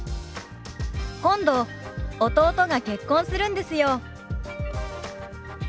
「今度弟が結婚するんですよ」。